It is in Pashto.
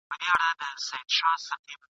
په خوب کي دي څه ليدلي دي؟